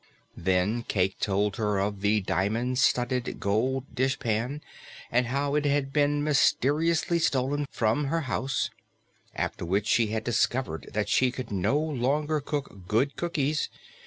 Then Cayke told her of the diamond studded gold dishpan and how it had been mysteriously stolen from her house, after which she had discovered that she could no longer cook good cookies.